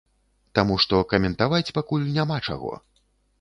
Таму што каментаваць пакуль няма чаго.